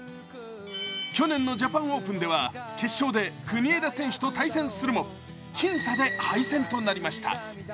去年のジャパンオープンでは決勝で国枝選手と対戦するも僅差で敗戦となりました。